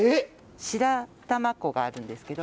白玉粉があるんですけど。